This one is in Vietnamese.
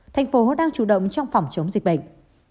thành phố đang chủ động trong phòng chống dịch bệnh